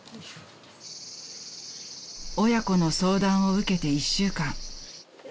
［親子の相談を受けて１週間］